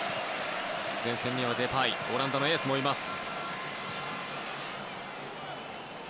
前線にはデパイオランダのエースもいます。